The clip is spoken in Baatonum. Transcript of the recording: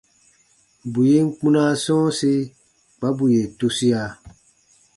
Bù yen kpunaa sɔ̃ɔsi kpa bù yè tusia.